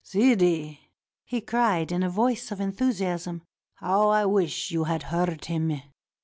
" Sidi," he cried in a voice of enthusiasm, "how I wish you had heard him.